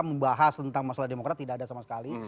membahas tentang masalah demokrat tidak ada sama sekali